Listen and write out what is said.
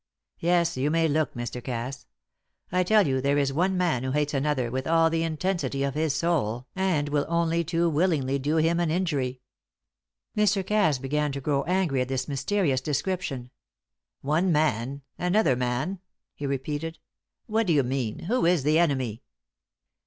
Yes; you may look, Mr. Cass! I tell you there is one man who hates another with all the intensity of his soul, and will only too willingly do him an injury." Mr. Cass began to grow angry at this mysterious description. "One man another man?" he repeated. "What do you mean? Who is the enemy?"